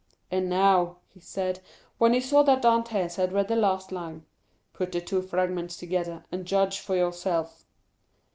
"And now," he said, when he saw that Dantès had read the last line, "put the two fragments together, and judge for yourself."